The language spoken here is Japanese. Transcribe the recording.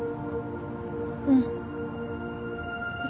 うん私